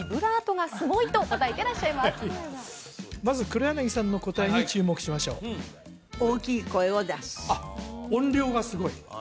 まず黒柳さんの答えに注目しましょうあっ音量がすごい？